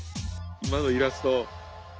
今のイラスト。